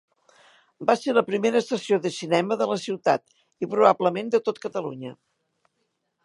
Va ser la primera sessió de cinema de la ciutat i probablement de tot Catalunya.